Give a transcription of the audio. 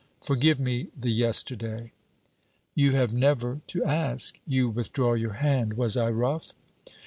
Forgive me the yesterday.' 'You have never to ask. You withdraw your hand was I rough?'